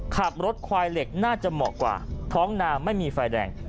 ขับรถควายเหล็กน่าจะเหมาะกว่าท้องนาไม่มีไฟแดง